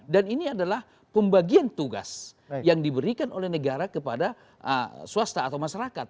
dan ini adalah pembagian tugas yang diberikan oleh negara kepada swasta atau masyarakat